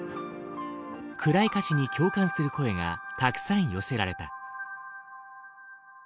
暗い歌詞に共感する声がたくさん寄せられた。